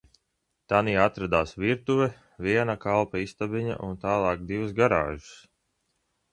Tanī atradās virtuve, viena kalpa istabiņa un tālāk divas garāžas.